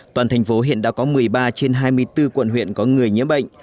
toàn thành phố hiện đã có một mươi ba trên hai mươi bốn quận huyện có người nhiễm bệnh